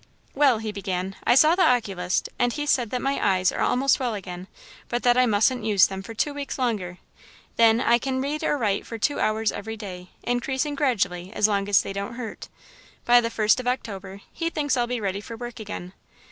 "Well," he began, "I saw the oculist, and he says that my eyes are almost well again, but that I mustn't use them for two weeks longer. Then, I can read or write for two hours every day, increasing gradually as long as they don't hurt. By the first of October, he thinks I'll be ready for work again.